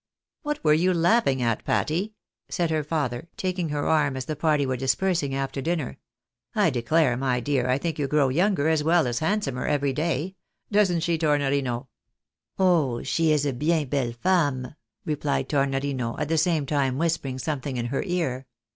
" What were you laughing at, Patty ?" said her father, taking 250 THE BAKXABYS IN AMERICA. her arm as the party were dispersing after dinner, " I declare, my dear, I think you grow younger, as well as handsomer, every day. Doesn't she, Tornorino ?" "Oh! she is a bien belle fomme," rephed Tornorino, at the same time whispering something in her ear.